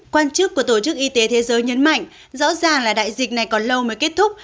quan chức của tổ chức y tế thế giới nhấn mạnh rõ ràng là đại dịch này còn lâu mới kết thúc